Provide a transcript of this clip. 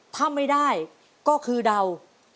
ถ้าไม่ได้ก็คือเดา